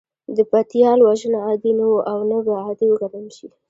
د پتيال وژنه عادي نه وه او نه به عادي وګڼل شي.